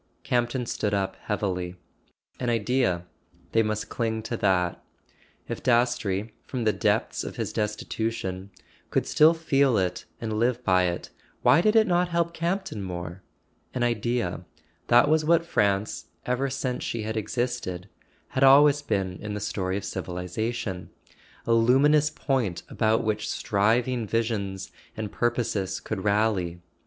Campton stood up heavily. An Idea: they must cling to that. If Dastrey, from the depths of his destitution, could still feel it and live by it, why did it not help Campton more? An Idea: that was what France, ever since she had existed, had always been in the story of civilization; a luminous point about which striving visions and purposes could rally.